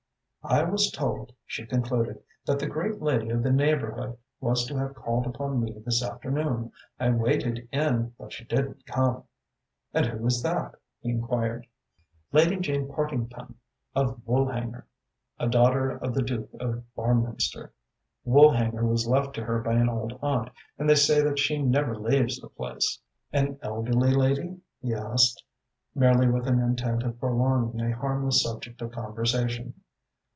"I was told," she concluded, "that the great lady of the neighbourhood was to have called upon me this afternoon. I waited in but she didn't come." "And who is that?" he enquired. "Lady Jane Partington of Woolhanger a daughter of the Duke of Barminster. Woolhanger was left to her by an old aunt, and they say that she never leaves the place." "An elderly lady?" he asked, merely with an intent of prolonging a harmless subject of conversation.